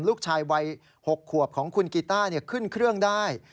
ลูกชายวัย๖ขวบของคุณกีต้าขึ้นเครื่องได้